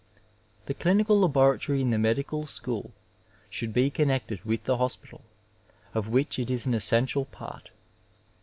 The clinical laboratory in the medical school, should be connected with the hospital, of which it is an essential part.